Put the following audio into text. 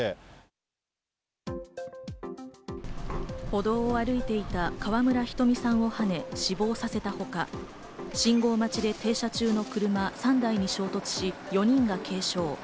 歩道を歩いていた川村ひとみさんをはね、死亡させたほか、信号待ちで停車中の車３台に衝突し、４人が軽傷。